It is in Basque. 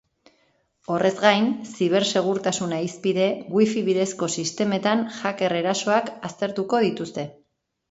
Horrez gain, zibersegurtasuna hizpide, wifi bidezko sistemetan hacker erasoak aztertuko dituzte.